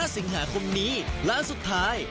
สิงหาคมนี้ร้านสุดท้าย